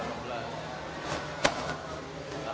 setiap negara dari negara